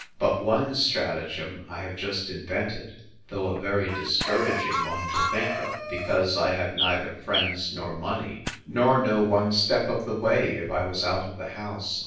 But one stratagem I have just invented, though a very discouraging one to think of; because I have neither friends nor money, nor know one step of the way, if I was out of the house.